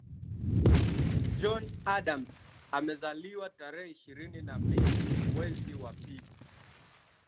John Adams amezaliwa tarehe ishirini na mbili mwezi wa pili